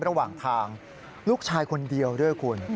ระหว่างทางลูกชายคนเดียวด้วยคุณ